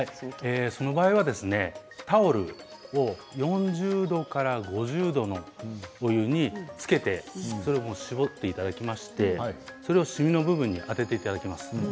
その場合にはタオルを４０度から５０度のお湯につけてそれを絞っていただきましてしみの部分に当てていただきます。